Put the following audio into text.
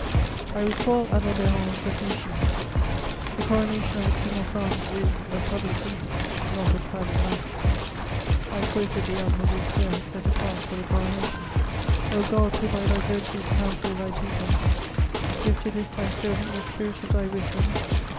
I recalled Adalbéron's definition: "The coronation of a King of France is, a public interest, not a private matter;" I quoted the admirable prayer set apart for the coronation: "O God, who by Thy virtues counselled Thy peoples, give to this Thy servant the spirit of Thy wisdom!